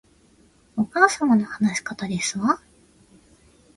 お母様の話し方ですわ